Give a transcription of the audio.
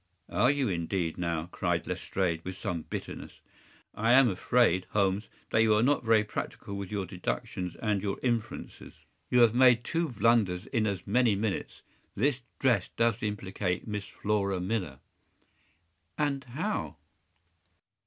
” “Are you, indeed, now?” cried Lestrade, with some bitterness. “I am afraid, Holmes, that you are not very practical with your deductions and your inferences. You have made two blunders in as many minutes. This dress does implicate Miss Flora Millar.” “And how?